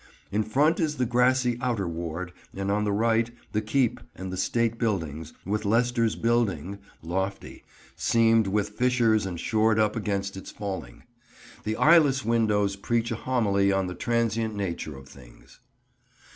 In front is the grassy Outer Ward, and on the right, the keep and the state buildings, with Leicester's Building, lofty, seamed with fissures and shored up against its falling. The eyeless windows preach a homily on the transient nature of things.